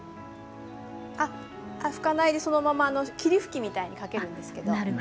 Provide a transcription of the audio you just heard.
拭かないで、そのまま霧吹きみたいにかけるんですけど。